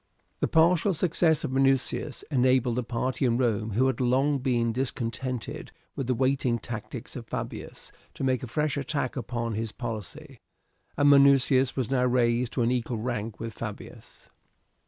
The partial success of Minucius enabled the party in Rome who had long been discontented with the waiting tactics of Fabius to make a fresh attack upon his policy, and Minucius was now raised to an equal rank with Fabius.